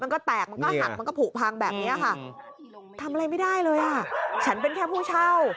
มันก็แตกมันก็หักมันก็ผูกพังแบบนี้ค่ะทำอะไรไม่ได้เลยอ่ะฉันเป็นแค่ผู้เช่า